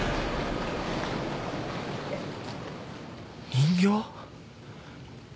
人形！？